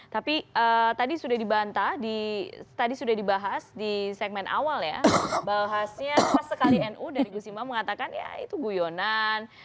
tapi tadi sudah dibahas di segmen awal ya bahasnya pas sekali nu dari gus simba mengatakan ya itu guyonan